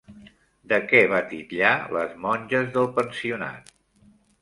De què va titllar les monges del pensionat?